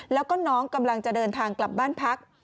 แล้วก็น้องกำลังจะเดินทางกลับบ้านพัก